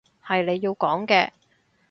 係你要講嘅